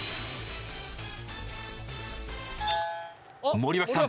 森脇さん